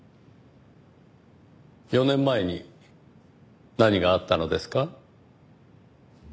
４年前に何があったのですか？